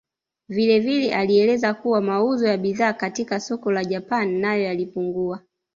Vilevile alieleza kuwa mauzo ya bidhaa katika soko la Japan nayo yalipungua